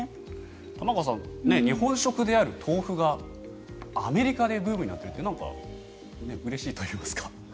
玉川さん日本食である豆腐がアメリカでブームになってるってなんかうれしいといいますか。